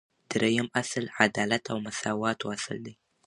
دریم اصل : عدالت او مساواتو اصل